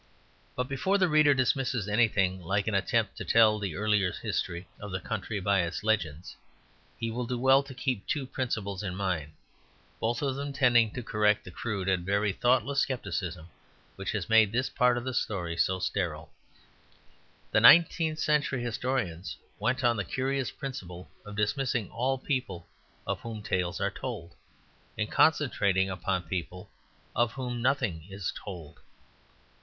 But before the reader dismisses anything like an attempt to tell the earlier history of the country by its legends, he will do well to keep two principles in mind, both of them tending to correct the crude and very thoughtless scepticism which has made this part of the story so sterile. The nineteenth century historians went on the curious principle of dismissing all people of whom tales are told, and concentrating upon people of whom nothing is told.